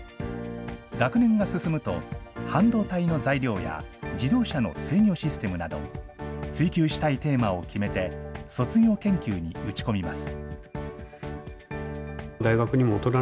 学年が進むと、半導体の材料や自動車の制御システムなど、追求したいテーマを決めて、卒業研究に打ち込みます。